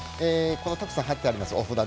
たくさん貼ってあります